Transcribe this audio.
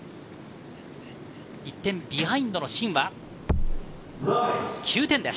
１点ビハインドのシーンは９点です。